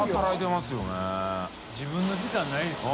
自分の時間ないですよね。